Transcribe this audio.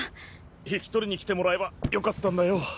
引き取りに来てもらえばよかったんだよ。